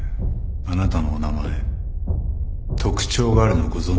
あなたのお名前特徴があるのご存じですか？